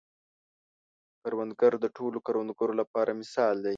کروندګر د ټولو کروندګرو لپاره مثال دی